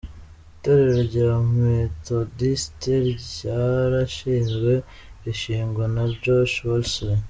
Itorero rya Methodiste ryarashinzwe, rishingwa na John Wesley.